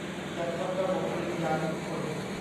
จัดทำระบบปริญญาชุมชน